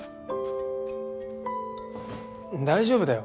大丈夫だよ。